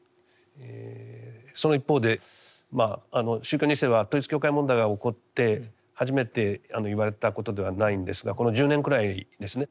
その一方で宗教２世は統一教会問題が起こって初めて言われたことではないんですがこの１０年くらいですね